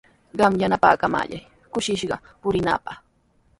Qam yanapaykallamay kushishqa purinaapaq.